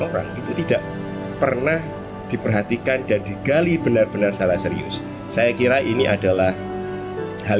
orang itu tidak pernah diperhatikan dan digali benar benar salah serius saya kira ini adalah hal